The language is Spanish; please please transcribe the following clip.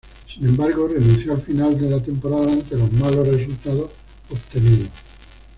Sin embargo, renunció al final de la temporada ante los malos resultados obtenidos.